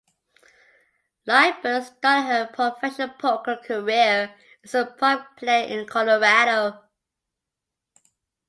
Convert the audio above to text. Liebert started her professional poker career as a prop player in Colorado.